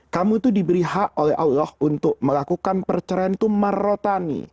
kamu itu diberi hak oleh allah untuk melakukan perceraian itu marrotani